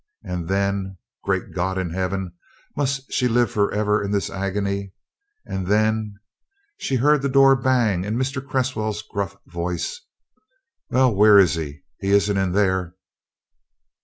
And then great God in heaven! must she live forever in this agony? and then, she heard the door bang and Mr. Cresswell's gruff voice "Well, where is he? he isn't in there!"